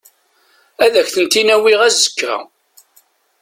Ad ak-ten-in-awiɣ azekka.